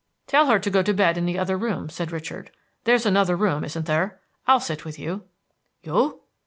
"Tell her to go to bed in the other room," said Richard. "There's another room, isn't there? I'll sit with you." "You?"